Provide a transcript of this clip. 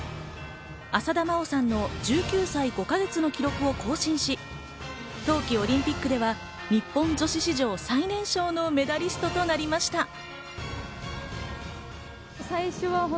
浅田真央さんの１９歳５か月の記録を更新し、冬季オリンピックでは日本女子史上最年少のメダリストとなりました。